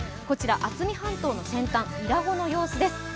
こちら渥美半島の先端伊良湖の様子です。